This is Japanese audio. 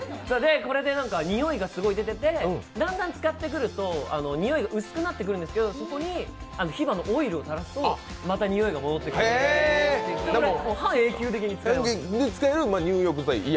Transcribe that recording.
これで匂いがすごい出てて、だんだん使ってくると匂いが薄くなってくるんですけど、そこにヒバのオイルをたらすとまた匂いが戻ってきて半永久的に使えます。